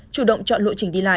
chủ động chọn lộ trình đi lại